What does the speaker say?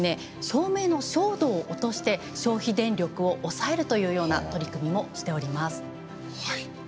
照明の照度を落として消費電力を抑えるというような取り組みもしております。